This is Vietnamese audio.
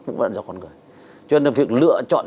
cũng vẫn là do con người cho nên là việc lựa chọn